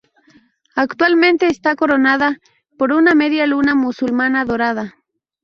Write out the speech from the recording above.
Actualmente está coronada por una media luna musulmana dorada.